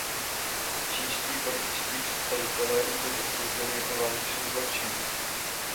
Čínští političtí představitelé útok odsoudili jako válečný zločin.